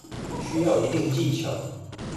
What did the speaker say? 需要一定技巧